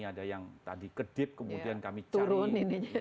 ada yang tadi kedip kemudian kami cari